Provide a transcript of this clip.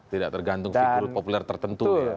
tidak tergantung figur populer tertentu